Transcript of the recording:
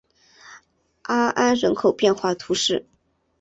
阿安人口变化图示